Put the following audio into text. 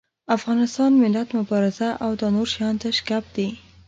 افغانستان، ملت، مبارزه او دا نور شيان تش ګپ دي.